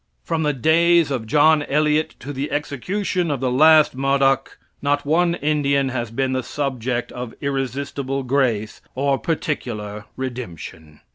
From the days of John Eliot to the execution of the last Modoc, not one Indian has been the subject of irresistible grace or particular redemption.